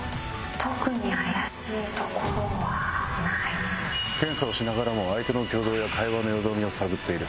特に怪しいところはない・検査をしながらも相手の挙動や会話のよどみを探っている・